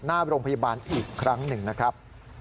หน้าโรงพยาบาลอีกครั้งหนึ่งนะครับ